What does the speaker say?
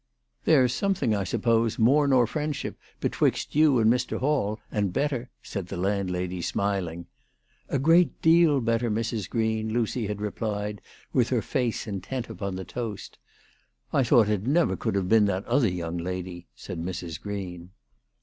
"There's some thing I suppose more nor friendship betwixt you and Mr. Hall, and better," said the landlady smiling. " A great deal better, Mrs. Green," Lucy had replied, with her face intent upon the toast. " I thought it never could have been that other young lady," said Mrs. Green.